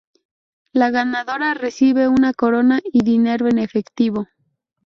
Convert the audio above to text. La ganadora recibe una corona y dinero en efectivo.